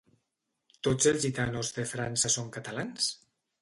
Tots els gitanos de França són catalans?